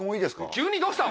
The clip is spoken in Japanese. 急にどうした？